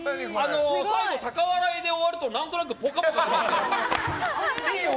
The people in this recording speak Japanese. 最後、高笑いで終わると何となくぽかぽかしますね。